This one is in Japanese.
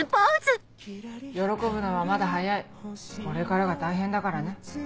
喜ぶのはまだ早いこれからが大変だからね。